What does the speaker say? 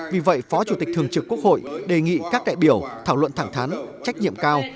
vì vậy phó chủ tịch thường trực quốc hội đề nghị các đại biểu thảo luận thẳng thắn trách nhiệm cao